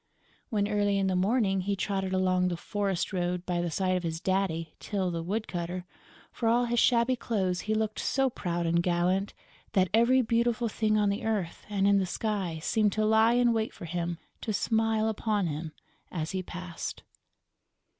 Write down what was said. When, early in the morning, he trotted along the forest road by the side of his daddy, Tyl the woodcutter, for all his shabby clothes he looked so proud and gallant that every beautiful thing on the earth and in the sky seemed to lie in wait for him to smile upon him as he passed.